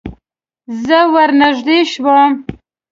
زه ور نږدې شوم.